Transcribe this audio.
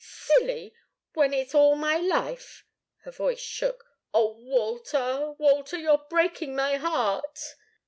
"Silly! When it's all my life." Her voice shook. "Oh, Walter, Walter! You're breaking my heart!"